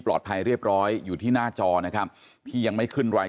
เรียบร้อยอยู่ที่หน้าจอนะครับที่ยังไม่ขึ้นราย